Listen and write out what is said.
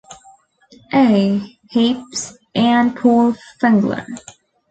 A. Heaps and Paul Fengler.